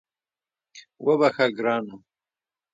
وبخښه ګرانه